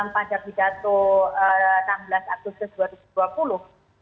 pada pidato enam belas agustus dua ribu dua puluh